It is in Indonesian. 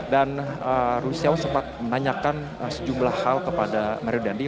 dan rudy setiawan sempat menanyakan sejumlah hal kepada mario dandwi